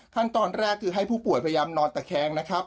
ขั้นตอนแรกคือให้ผู้ป่วยพยายามนอนตะแคงนะครับ